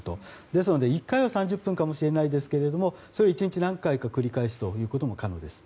ですので１回は３０分かもしれないですけどもそれを１日何回か繰り返すということです。